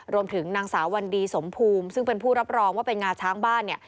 รวมถึงนางสาววันดีสมภูมิซึ่งเป็นผู้รับรองว่าเป็นงาช้างบ้านเนี่ย